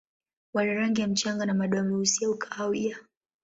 Wana rangi ya mchanga na madoa meusi au kahawia.